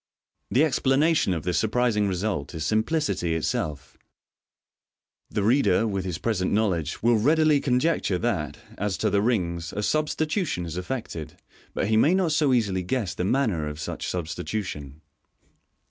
The explanation of this surprising result is simplicity itself. Tha MODERN MAGIC. 399 reader, with his present knowledge, will readily conjecture that, as to the rings, a subsitution is effected j but he may not so easily guess the manner of such substitution.